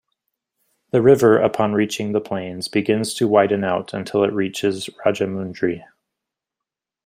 The river upon reaching the plains begins to widen out until it reaches Rajamundry.